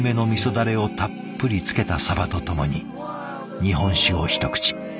だれをたっぷりつけたサバとともに日本酒を一口。